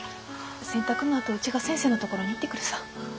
洗濯のあとうちが先生の所に行ってくるさぁ。